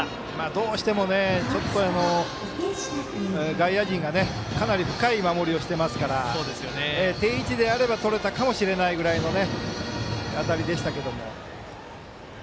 どうしても外野陣がかなり深い守りをしていますから定位置であればとれたかもしれないぐらいの当たりでしたけどね。